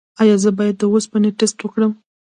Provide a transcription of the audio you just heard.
ایا زه باید د اوسپنې ټسټ وکړم؟